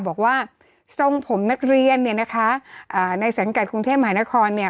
บอกว่าทรงผมนักเรียนเนี่ยนะคะในสังกัดกรุงเทพมหานครเนี่ย